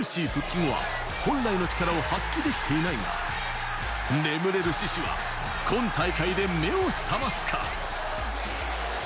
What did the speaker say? チェルシー復帰後は本来の力を発揮できていないが、眠れる獅子は今大会で目を覚ますか。